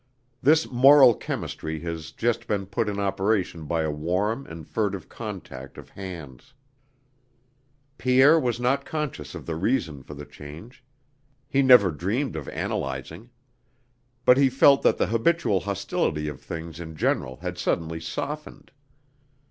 This moral chemistry had just been put in operation by a warm and furtive contact of hands. Pierre was not conscious of the reason for the change; he never dreamed of analyzing. But he felt that the habitual hostility of things in general had suddenly softened.